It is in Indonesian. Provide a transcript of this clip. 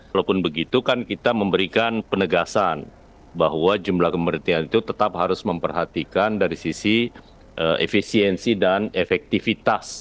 walaupun begitu kan kita memberikan penegasan bahwa jumlah kematian itu tetap harus memperhatikan dari sisi efisiensi dan efektivitas